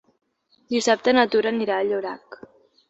Dissabte na Tura anirà a Llorac.